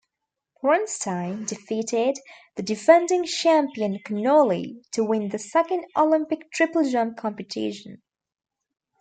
Prinstein defeated the defending champion Connolly to win the second Olympic triple jump competition.